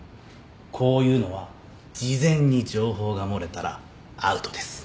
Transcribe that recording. こういうのは事前に情報が漏れたらアウトです。